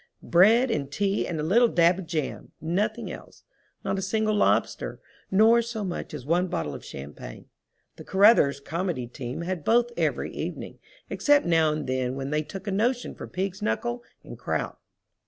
Bread and tea and a little dab of jam! Nothing else. Not a single lobster, nor so much as one bottle of champagne. The Carruthers comedy team had both every evening, except now and then when they took a notion for pig's knuckle and kraut.